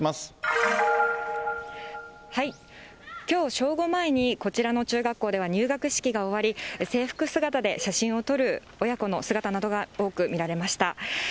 きょう正午前に、こちらの中学校では入学式が終わり、制服姿で写真を撮る親子の姿などが多く見られました。